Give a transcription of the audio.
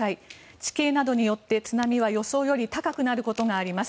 地形などによって津波は予想より高くなることがあります。